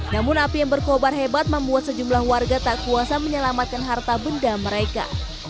namun api yang berkobar hebat membuat sejumlah warga tak kuasa menyelamatkan harta benda mereka